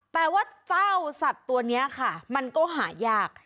แต่ว่าเจ้าสัตว์ตัวนี้ค่ะมันก็หายาก